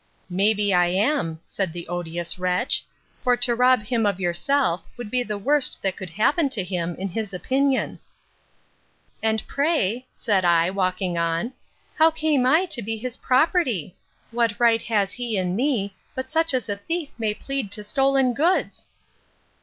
May be I am, said the odious wretch; for to rob him of yourself, would be the worst that could happen to him, in his opinion. And pray, said I, walking on, how came I to be his property? What right has he in me, but such as a thief may plead to stolen goods?